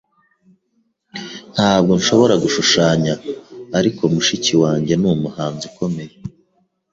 Ntabwo nshobora gushushanya, ariko mushiki wanjye numuhanzi ukomeye.